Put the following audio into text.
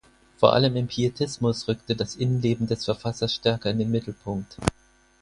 Vor allem im Pietismus rückte das Innenleben des Verfassers stärker in den Mittelpunkt.